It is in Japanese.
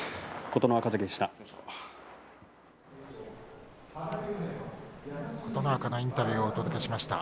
琴ノ若関でした。